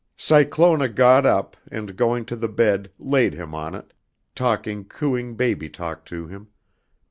Cyclona got up and going to the bed laid him on it, talking cooing baby talk to him.